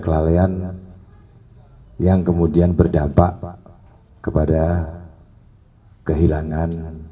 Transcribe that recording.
kelalaian yang kemudian berdampak kepada kehilangan